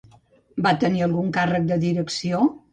Va tenir algun càrrec de direcció?